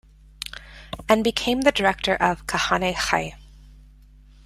And became the director of Kahane Chai.